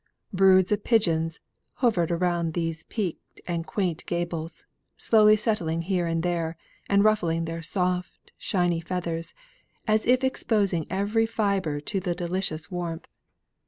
Broods of pigeons hovered around these peaked quaint gables, slowly settling here and there, and ruffling their soft, shiny feathers, as if exposing every fibre to the delicious warmth.